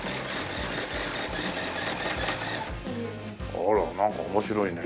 あらなんか面白いね。